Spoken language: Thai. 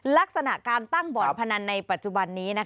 ลักษณะการตั้งบ่อนพนันในปัจจุบันนี้